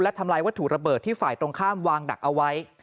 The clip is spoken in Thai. และทำลายวัตถุระเบิดที่ฝ่ายตรงข้ามวางดักเอาไว้